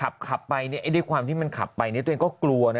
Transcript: ในความที่มันขับไปเนี่ยตัวเองก็กลัวนะ